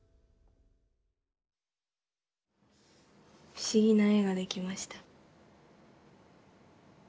不思議な絵が出来ました。